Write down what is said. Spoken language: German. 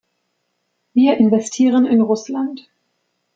Wir investieren in Russland.